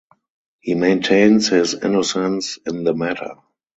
He maintains his innocence in the matter.